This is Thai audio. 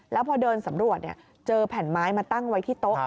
แล้วพอเดินสำรวจเจอแผ่นไม้มาตั้งไว้ที่โต๊ะ